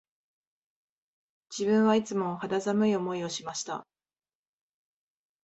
自分はいつも肌寒い思いをしました